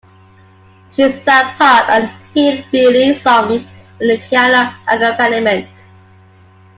She sang pop and "hillbilly" songs with a piano accompaniment.